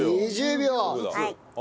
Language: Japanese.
２０秒。